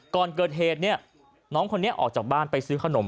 ก่อนเกิดเหตุเนี่ยน้องคนนี้ออกจากบ้านไปซื้อขนม